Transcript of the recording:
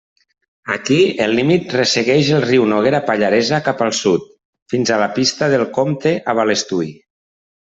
Aquí, el límit ressegueix el riu Noguera Pallaresa cap al sud fins a la pista del Compte a Balestui.